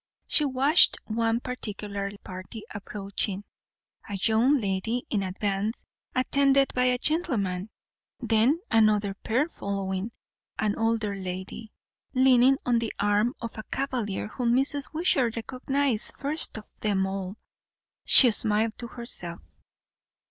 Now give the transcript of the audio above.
She watched one particular party approaching. A young lady in advance, attended by a gentleman; then another pair following, an older lady, leaning on the arm of a cavalier whom Mrs. Wishart recognized first of them all. She smiled to herself.